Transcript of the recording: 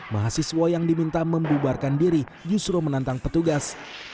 mahasiswa yang diminta membubarkan diri justru menantang petugas